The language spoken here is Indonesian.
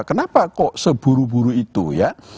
kenapa kok seburu buru itu ya